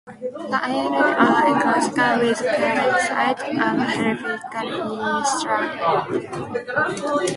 The elytra are elongate with parallel sides, and heavily striated.